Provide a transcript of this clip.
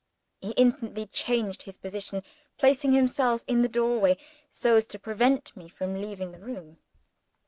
He instantly changed his position; placing himself in the doorway so as to prevent me from leaving the room.